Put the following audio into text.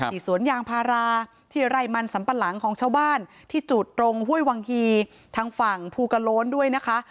สวนยางพาราที่ไร่มันสัมปะหลังของชาวบ้านที่จุดตรงห้วยวังฮีทางฝั่งภูกระโล้นด้วยนะคะ